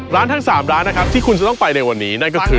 ทั้ง๓ร้านนะครับที่คุณจะต้องไปในวันนี้นั่นก็คือ